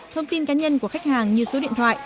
thông tin cá nhân của khách hàng như số điện thoại